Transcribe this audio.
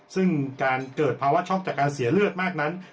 ซึ่งการเกิดภาวะช็อกจากการเสียเลือดมากนั้น